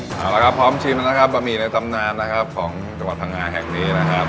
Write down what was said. เอาละครับพร้อมชิมนะครับบะหมี่ในตำนานนะครับของจังหวัดพังงาแห่งนี้นะครับ